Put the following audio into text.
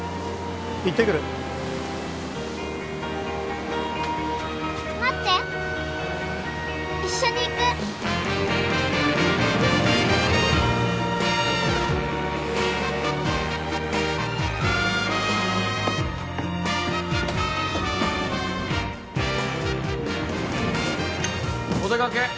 行ってくる待って一緒に行くお出かけ？